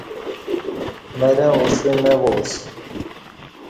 مرں اُݜہ نہ وااسہ